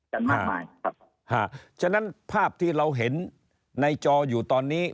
กันมากมายครับฮะฉะนั้นภาพที่เราเห็นในจออยู่ตอนนี้